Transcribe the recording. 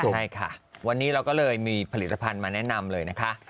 ใช่ค่ะวันนี้เราก็เลยมีผลิตภัณฑ์มาแนะนำเลยนะคะ